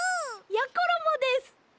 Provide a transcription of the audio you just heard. やころもです！